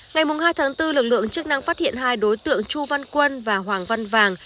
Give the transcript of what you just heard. ngày hai tháng bốn lực lượng chức năng phát hiện hai đối tượng chu văn quân và hoàng văn vàng